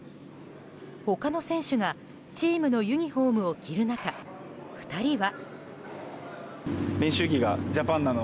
他の選手がチームのユニホームを着る中２人は。